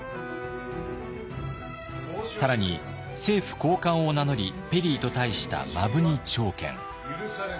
更に政府高官を名乗りペリーと対した摩文仁朝健。